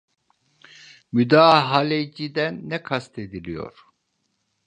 Müdahaleciden ne kastediliyor?